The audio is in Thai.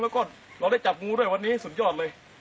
แล้วก็เราได้จับงูด้วยวันนี้สุดยอดเลย